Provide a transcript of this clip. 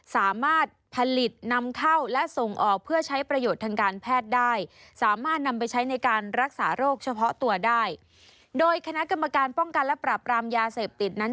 สามารถผลิตนำเข้าและส่งออกเพื่อใช้ประโยชน์ทางการแพทย์ได้